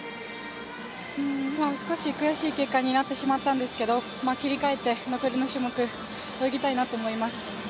少し悔しい結果になってしまったんですけど、切り替えて残りの種目、泳ぎたいなと思います